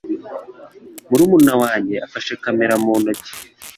Murumuna wanjye afashe kamera mu ntoki.